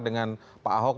dengan pak ahok